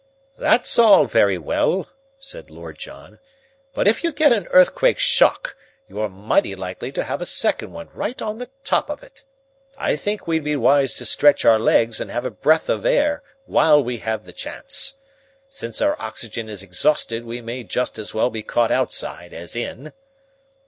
"That's all very well," said Lord John, "but if you get an earthquake shock you are mighty likely to have a second one right on the top of it. I think we'd be wise to stretch our legs and have a breath of air while we have the chance. Since our oxygen is exhausted we may just as well be caught outside as in."